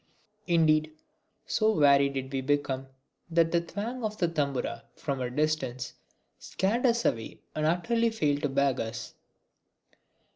Indeed, so wary did we become that the twang of the Tambura, from a distance, scared us away and utterly failed to bag us.